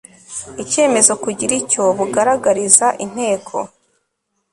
icyemezo kugira icyo bugaragariza inteko